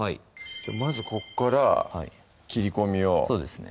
まずここから切り込みをそうですね